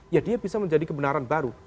ya dia bisa menjadi kebenaran baru